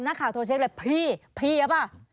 นักข่าวโทรเช็กแบบพี่พี่ใช่ไหม